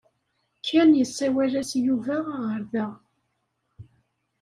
Ken yessawal-as i Yuba aɣerda.